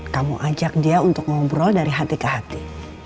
kamu ajak dia untuk ngobrol dari hati ke hati